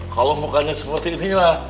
kalau mukanya seperti ini lah